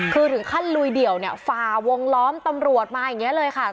คือถึงขั้นลุยเดี่ยวเนี่ยฝ่าวงล้อมตำรวจมาอย่างนี้เลยค่ะ